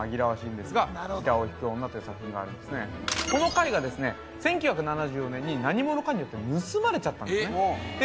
この絵画ですね１９７４年に何者かによって盗まれちゃったんですねで